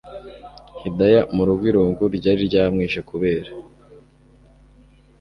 Hidaya murugo irungu ryari ryamwishe kubera